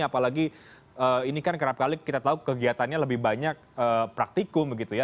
apalagi ini kan kerap kali kita tahu kegiatannya lebih banyak praktikum begitu ya